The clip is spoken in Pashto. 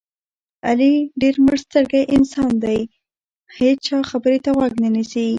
علي ډېر مړسترګی انسان دی دې هېچا خبرې ته غوږ نه نیسي.